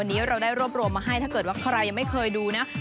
วันนี้เราได้รวบรวมมาให้ถ้าเกิดว่าใครยังไม่เคยดูนะ